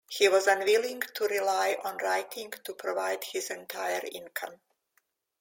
He was unwilling to rely on writing to provide his entire income.